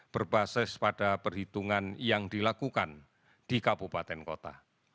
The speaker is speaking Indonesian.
berbasis pada perhitungan yang dilakukan di kabupaten kota